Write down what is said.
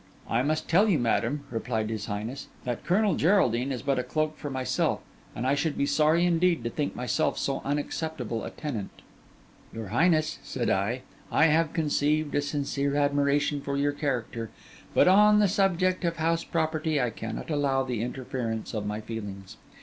'I must tell you, madam,' replied his highness, 'that Colonel Geraldine is but a cloak for myself; and I should be sorry indeed to think myself so unacceptable a tenant.' 'Your highness,' said I, 'I have conceived a sincere admiration for your character; but on the subject of house property, I cannot allow the interference of my feelings.